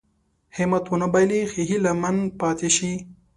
همت ونه بايلي هيله من پاتې شي.